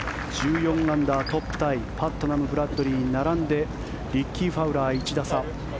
１４アンダー、トップタイパットナム、ブラッドリー並んでリッキー・ファウラー１打差。